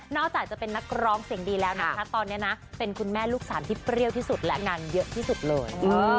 จากจะเป็นนักร้องเสียงดีแล้วนะคะตอนนี้นะเป็นคุณแม่ลูกสามที่เปรี้ยวที่สุดและงานเยอะที่สุดเลย